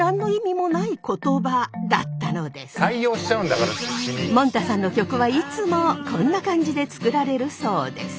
もんたさんの曲はいつもこんな感じで作られるそうです。